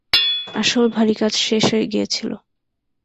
আসল ভারী কাজ শেষ হয়ে গিয়েছিল।